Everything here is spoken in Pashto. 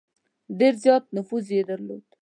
ډېر زیات نفوذ یې درلود.